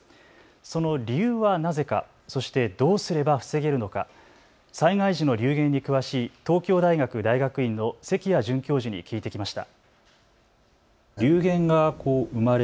その理由はなぜか、そしてどうすれば防げるのか、災害時の流言に詳しい東京大学大学院の関谷准教授に聞いてきました。